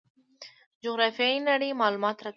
جغرافیه د نړۍ معلومات راکوي.